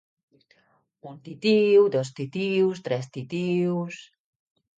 Un titiu dos titius tres titius